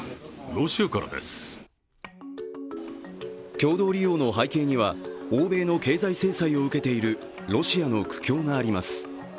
共同利用の背景には、欧米の経済制裁を受けているロシアの苦境があります